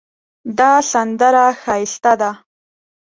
دا سندره ښایسته ده